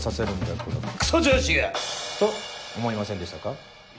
このクソ上司が！」と思いませんでしたか？